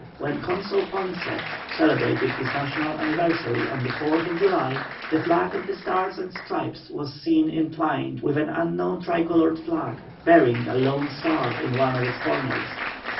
When Consul Poinsett celebrated his national anniversary of the 4th July, the flag of the stars and stripes was seen entwined with an unknown tricoloured flag, bearing a lone star in one of its corners.